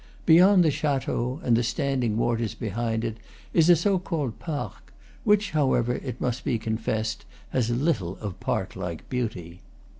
Beyond the chateau and the standing waters behind it is a so called parc, which, however, it must be con fessed, has little of park like beauty.